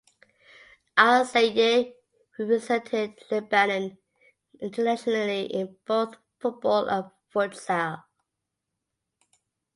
Al Sayegh represented Lebanon internationally in both football and futsal.